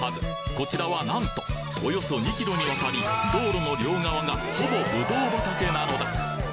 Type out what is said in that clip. こちらは何とおよそ２ｋｍにわたり道路の両側がほぼぶどう畑なのだ